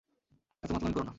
এতো মাতলামি করো না।